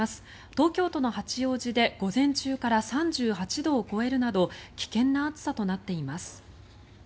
東京都の八王子で午前中から３８度を超えるなど危険な暑さとなっています。